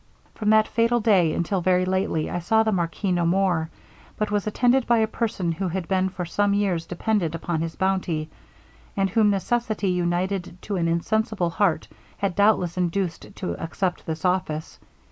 'From that fatal day, until very lately, I saw the marquis no more but was attended by a person who had been for some years dependant upon his bounty, and whom necessity, united to an insensible heart, had doubtless induced to accept this office.